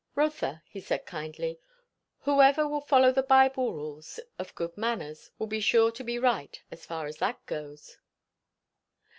"Rotha," he said kindly, "whoever will follow the Bible rules of good manners, will be sure to be right, as far as that goes."